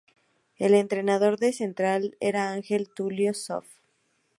El entrenador de Central era Ángel Tulio Zof.